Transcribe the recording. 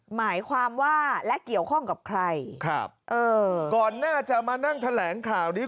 หมายความว่าและเกี่ยวข้องกับใครครับเออก่อนหน้าจะมานั่งแถลงข่าวนี้